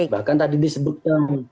bahkan tadi disebutkan